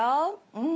うん。